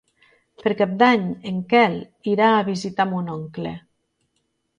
Per Cap d'Any en Quel irà a visitar mon oncle.